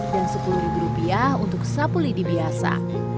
dan sepuluh rupiah untuk sapu lidi biasa